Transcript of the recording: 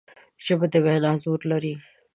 ژبه د وینا زور لري